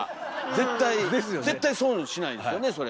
絶対損しないですよねそれ。